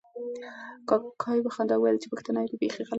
کاکا یې په خندا ورته وویل چې پوښتنه دې بیخي غلطه ده.